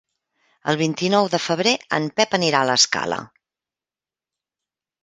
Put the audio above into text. El vint-i-nou de febrer en Pep anirà a l'Escala.